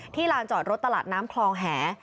ที่ร้านจอดรถตลาดน้ำคลองแหง